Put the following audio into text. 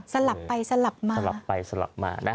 สลับไปสลับมา